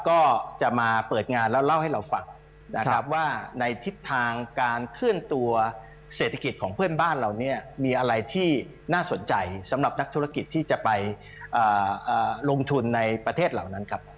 ก็จะมาเปิดงานแล้วเล่าให้เราฟังนะครับว่าในทิศทางการเคลื่อนตัวเศรษฐกิจของเพื่อนบ้านเราเนี่ยมีอะไรที่น่าสนใจสำหรับนักธุรกิจที่จะไปลงทุนในประเทศเหล่านั้นครับ